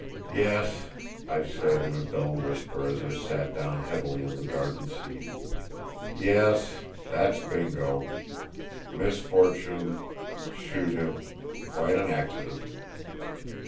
"Yes," I said in a dull whisper, as I sat down heavily on a garden seat, "yes ... that's Bingo ... misfortune ... shoot him ... quite an accident!"